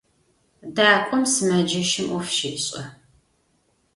Дакӏом сымэджэщым ӏоф щешӏэ.